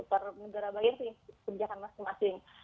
per negara bagian sih kebijakan masing masing